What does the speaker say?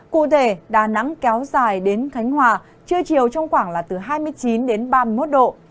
cụ thể đà nẵng kéo dài đến khánh hòa trưa chiều trong khoảng là từ hai mươi chín đến ba mươi một độ